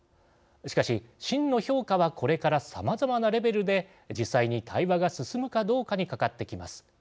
しかし真の評価はこれからさまざまなレベルで実際に対話が進むかどうかにかかってきます。